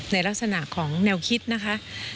ในลักษณะของแนวคิดนะคะ